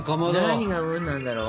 何が「うん」なんだろう？